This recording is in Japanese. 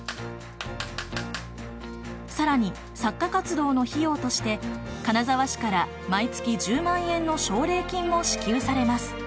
更に作家活動の費用として金沢市から毎月１０万円の奨励金も支給されます。